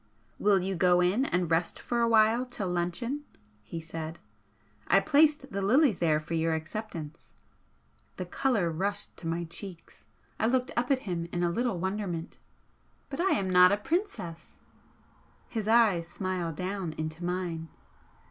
"Will you go in and rest for a while till luncheon?" he said "I placed the lilies there for your acceptance." The colour rushed to my cheeks, I looked up at him in a little wonderment. "But I am not a princess!" His eyes smiled down into mine.